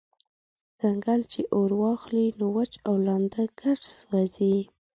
« ځنګل چی اور واخلی نو وچ او لانده ګډ سوځوي»